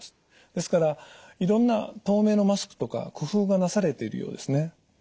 ですからいろんな透明のマスクとか工夫がなされているようですね。